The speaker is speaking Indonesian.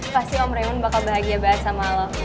pasti om reun bakal bahagia banget sama lo